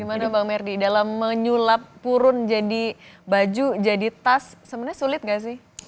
gimana bang merdi dalam menyulap purun jadi baju jadi tas sebenarnya sulit nggak sih